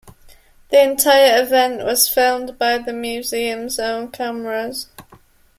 The entire event was filmed by the museum's own cameras.